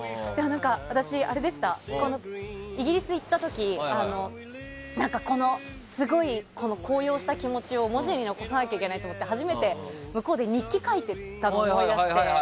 イギリス行った時このすごい高揚した気持ちを文字に残さなきゃいけないと思って初めて向こうで日記を書いてたのを思い出して。